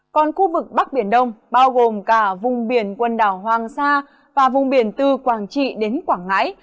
còn khu vực bắc biển đông bao gồm cả vùng biển quần đảo hoàng sa và vùng biển từ quảng trị đến quảng ngãi